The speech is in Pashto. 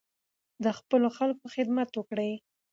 د خپلو خلکو خدمت وکړئ.